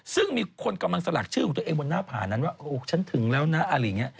ซึ่งมีคนกำลังสลักชื่อของตัวเองบนหน้าผานั้นว่าฉันถึงแล้วนะอะไรอย่างนี้